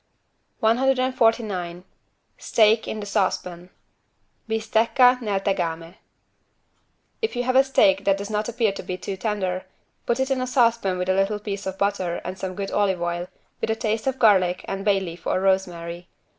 149 STEAK IN THE SAUCEPAN (Bistecca nel tegame) If you have a steak that does not appear to be too tender, put it in a saucepan with a little piece of butter and some good olive oil, with a taste of garlic and bay leaf or rosemary.